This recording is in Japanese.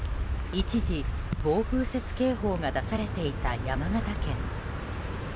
一時、暴風雪警報が出されていた山形県。